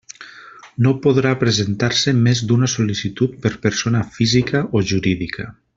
No podrà presentar-se més d'una sol·licitud per persona física o jurídica.